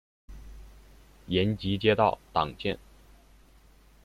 延吉街道党建